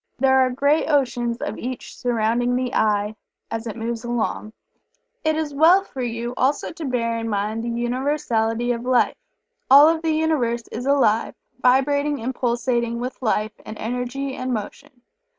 There are great oceans of each surrounding the "I" as it moves along. It is well for you also to bear in mind the Universality of Life. All of the Universe is alive, vibrating and pulsating with life and energy and motion.